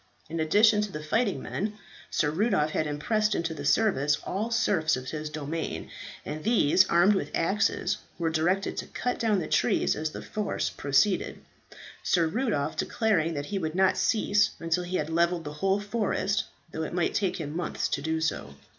In addition to the fighting men, Sir Rudolph had impressed into the service all the serfs of his domain, and these, armed with axes, were directed to cut down the trees as the force proceeded, Sir Rudolph declaring that he would not cease until he had levelled the whole forest, though it might take him months to do so.